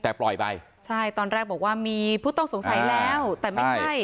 แต่ปล่อยไปใช่ตอนแรกบอกว่ามีผู้ต้องสงสัยแล้วแต่ไม่ใช่